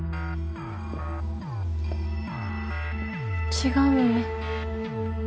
違うよね？